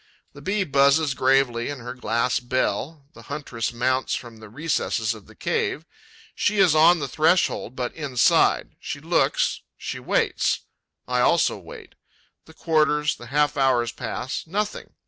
The Bee buzzes gravely in her glass bell; the huntress mounts from the recesses of the cave; she is on the threshold, but inside; she looks; she waits. I also wait. The quarters, the half hours pass: nothing.